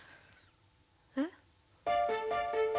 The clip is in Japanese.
えっ。